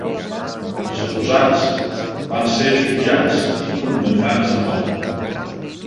Els acusats van ser jutjats i condemnats a mort.